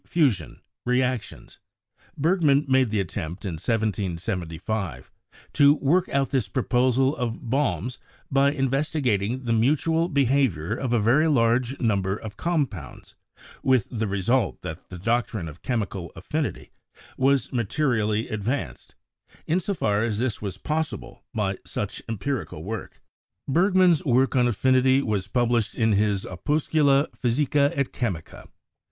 fusion) re actions. Bergman made the attempt in 1775 to work out this proposal of Baume's by investigating the mutual be havior of a very large number of compounds, with the re sult that the doctrine of chemical affinity was materially advanced, in so far as this was possible by such empirical work. Bergman's work on affinity was published in his 'Opus cula physica et chemica.'